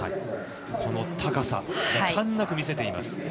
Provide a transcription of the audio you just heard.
その高さ、いかんなく見せてます。